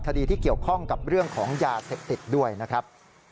คดีที่เกี่ยวข้องกับเรื่องของยาเสพติดด้วยนะครับ